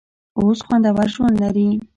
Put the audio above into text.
اوس خوندور ژوند لري.